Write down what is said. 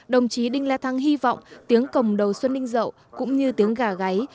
đồng chí đinh la thăng hy vọng tiếng cồng đầu xuân ninh rậu cũng như tiếng gà gáy